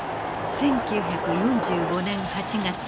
１９４５年８月。